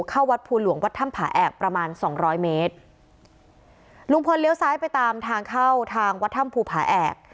เข้าวัดภูหลวงวัดถ้ำผาแอกประมาณสองร้อยเมตรลุงพลเลี้ยวซ้ายไปตามทางเข้าทางวัดถ้ำภูผาแอก